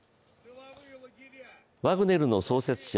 ワグネルの創設者